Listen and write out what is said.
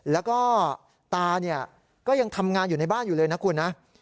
แล้วก็ตาเนี่ยก็ยังทำงานอยู่ในบ้านอยู่เลยนะคุณนะ